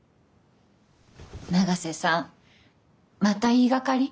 永瀬さんまた言いがかり？